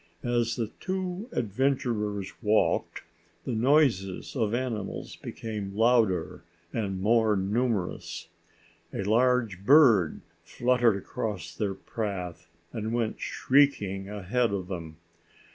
As the two adventurers walked, the noises of animals became louder and more numerous. A large bird fluttered across their path and went shrieking ahead of them.